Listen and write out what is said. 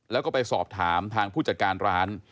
แล้วก็ไปสอบถามทางผู้จัดการร้าน